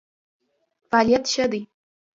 فعالیت ښه دی.